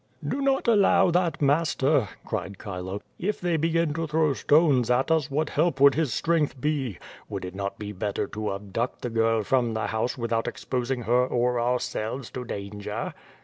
"Do not allow that, master," cried Chilo. "If they begin to throw stones at us what help would his strength be? Would it not be better to abduct the girl from the house without exposing her or ourselves to danger?"